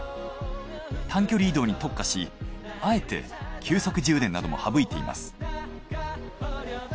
短距離移動に特化しあえて急速充電なども省いています。